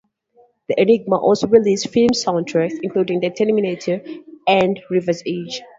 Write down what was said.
Enigma also released film soundtracks including "The Terminator" and "River's Edge".